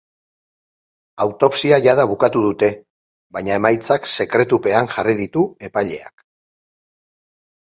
Autopsia jada bukatu dute, baina emaitzak sekretupean jarri ditu epaileak.